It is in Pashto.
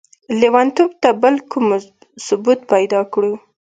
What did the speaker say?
ليونتوب ته به بل کوم ثبوت پيدا کړو؟!